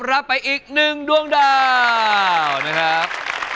รับไปอีกหนึ่งดวงดาวนะครับ